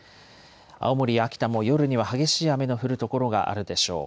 青森や秋田も夜には激しい雨の降る所があるでしょう。